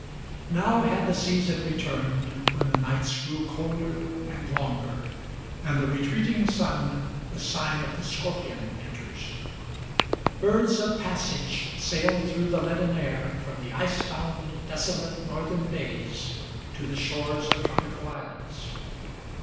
NOW had the season returned, when the nights grow colder and longer, And the retreating sun the sign of the Scorpion enters. Birds of passage sailed through the leaden air, from the ice bound, Desolate northern bays to the shores of tropical islands.